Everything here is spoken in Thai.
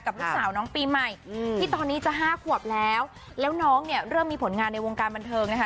ลูกสาวน้องปีใหม่ที่ตอนนี้จะห้าขวบแล้วแล้วน้องเนี่ยเริ่มมีผลงานในวงการบันเทิงนะคะ